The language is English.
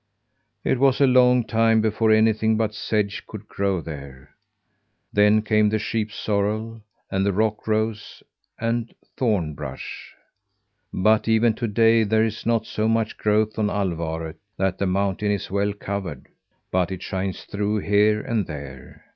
It was a long time before anything but sedge could grow there. Then came sheep sorrel, and the rock rose and thorn brush. But even to day there is not so much growth on Alvaret, that the mountain is well covered, but it shines through here and there.